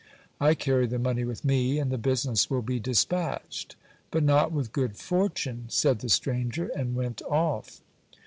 I carry the money with me, and the business will be dispatched." "But not with good fortune," said the stranger, and went off.